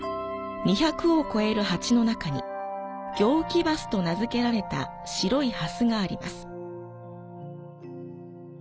２００を超える鉢の中に行基蓮と名付けられた白いハスがあります。